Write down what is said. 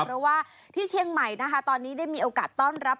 เพราะว่าที่เชียงใหม่นะคะตอนนี้ได้มีโอกาสต้อนรับ